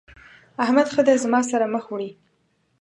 احمد ښه دی زما سره مخ وړي.